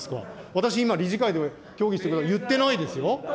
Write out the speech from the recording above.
私今、理事会で協議してください、言ってないですよ。